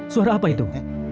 suara apa itu